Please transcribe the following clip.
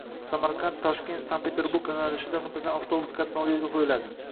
“Samarqand – Toshkent – Sankt-Peterburg” yo‘nalishida muntazam avtobus qatnovi yo‘lga qo‘yiladi